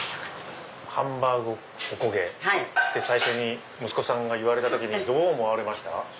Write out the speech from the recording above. ハンバーグ・おこげって最初に息子さんが言われた時にどう思われました？